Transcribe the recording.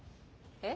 え？